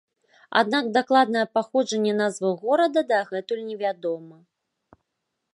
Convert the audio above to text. Аднак, дакладнае паходжанне назвы горада дагэтуль невядома.